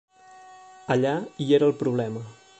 Allà hi era el problema.